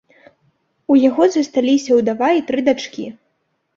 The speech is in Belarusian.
У яго засталіся ўдава і тры дачкі.